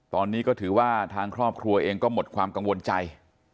ตอนนี้ก็ถือว่าทางครอบครัวเองก็หมดความกังวลใจ